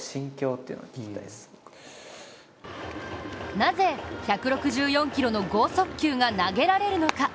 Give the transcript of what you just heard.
なぜ１６４キロの剛速球が投げられるのか。